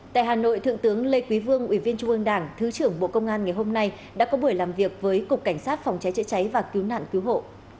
tại hà nội thượng tướng lê quý vương ủy viên trung ương đảng thứ trưởng bộ công an ngày hôm nay đã có buổi làm việc với cục cảnh sát phòng cháy chữa cháy và cứu nạn cứu hộ